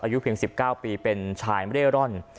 อายุเพียง๑๙ปีเป็นชายเร่ร่อน